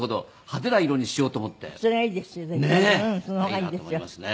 いいなと思いますね。